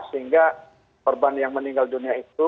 sehingga korban yang meninggal dunia itu